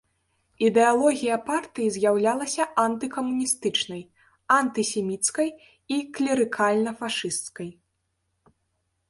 Ідэалогія партыі з'яўлялася антыкамуністычнай, антысеміцкай і клерыкальна-фашысцкай.